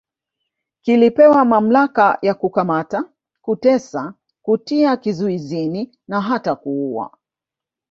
Kilipewa mamlaka ya kukamata kutesa kutia kizuizini na hata kuuwa